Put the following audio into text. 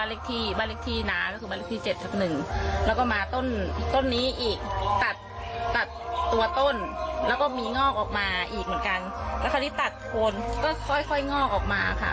แล้วพอที่ตัดคนก็ค่อยงอกออกมาค่ะ